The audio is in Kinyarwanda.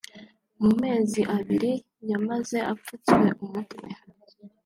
mu mezi abiri yamaze apfutswe umutwe